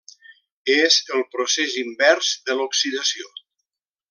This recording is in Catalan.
És el procés invers de l'oxidació.